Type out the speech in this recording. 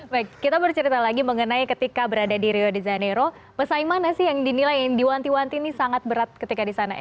baik kita bercerita lagi mengenai ketika berada di rio de janeiro pesaing mana sih yang dinilai yang diwanti wanti ini sangat berat ketika di sana